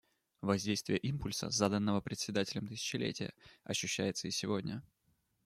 Воздействие импульса, заданного председателем тысячелетия, ощущается и сегодня.